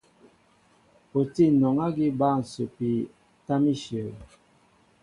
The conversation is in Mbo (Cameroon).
O tí anɔŋ ágí bǎl ǹsəpi tâm íshyə̂.